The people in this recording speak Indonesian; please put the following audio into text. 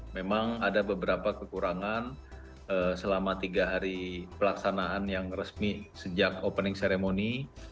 memang ada beberapa kekurangan selama tiga hari pelaksanaan yang resmi sejak opening ceremony